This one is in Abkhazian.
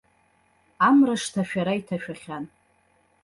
Амра шҭашәара иҭашәахьан.